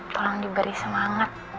tolong diberi semangat